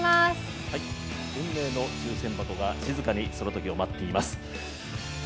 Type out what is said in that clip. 運命の抽選箱が静かにそのときを待っています。